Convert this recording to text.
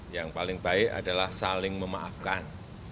yang paling baik adalah saling memaafkan